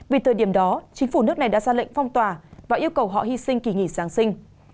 vì thời điểm đó chính phủ nước này đã ra lệnh phong tỏa và yêu cầu họ hy sinh kỳ nghỉ giáng sinh